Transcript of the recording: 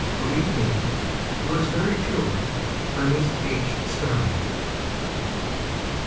Believe me, Yours very truly, ERNEST H. STARLING.